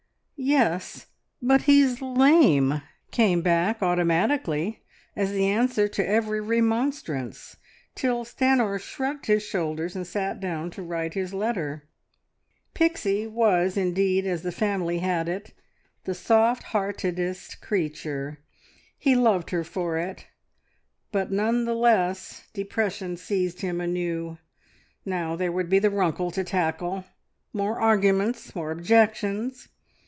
"Yes, but he's lame!" came back automatically as the answer to every remonstrance, till Stanor shrugged his shoulders and sat down to write his letter. Pixie was indeed, as the family had it, "the soft heartedest creature!" He loved her for it, but none the less depression seized him anew. Now there would be the Runkle to tackle! More arguments! More objections!